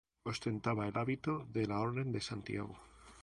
Ostentaba el hábito de la Orden de Santiago.